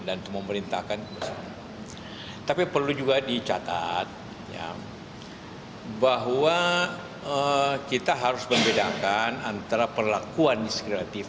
dan pemerintah akan tapi perlu juga dicatat bahwa kita harus membedakan antara perlakuan diskriminatif